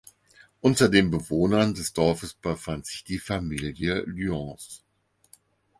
Unter den Bewohnern des Dorfes befand sich die Familie Lyons.